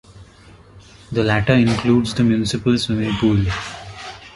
The latter includes the municipal swimming pool.